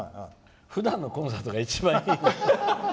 ふだんのコンサートが一番いい。